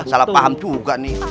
salah paham juga nih